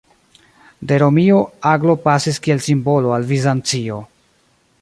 De Romio aglo pasis kiel simbolo al Bizancio.